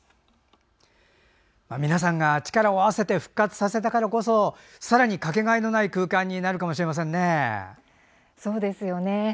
皆さんが力を合わせて復活させたからこそさらにかけがえのない空間になるかもしれませんね。